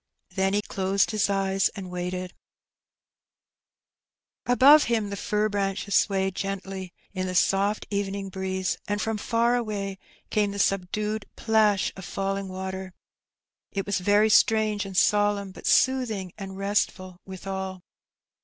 '' Then he closed his eyes and waited* Above him the fir branches swayed gently in the soft evening breeze, and from far away came the subdued plash of falling water. It was very strange and solemn, but soothing and restful withal.